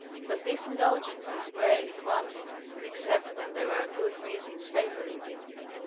But this indulgence is rarely granted, except when there are good reasons favoring it.